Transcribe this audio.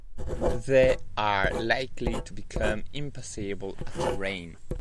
They are likely to become impassable after rain.